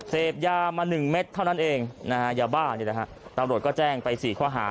เสพยามา๑เม็ดเท่านั้นเองอย่าบ้าตำรวจก็แจ้งไป๔ขวาหา